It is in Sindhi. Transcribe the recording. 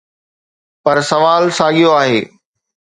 پر سوال ساڳيو آهي.